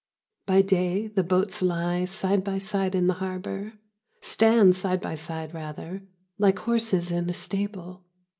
By day the boats lie side by side in the harbour stand side by side, rather, like horses in a stable.